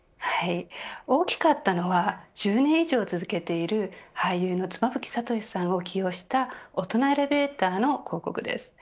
大きかったのは１０年以上続けている俳優の妻夫木聡さんを起用した大人エレベーターの広告です。